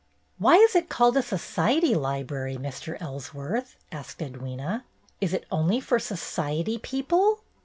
"Why is it called a Society Library, Mr. Ellsworth?" asked Edwyna. "Is it only for society people